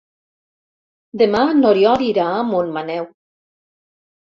Demà n'Oriol irà a Montmaneu.